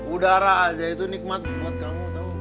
udara aja itu nikmat buat kamu tau